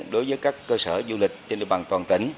đối với các cơ sở du lịch trên địa bàn toàn tỉnh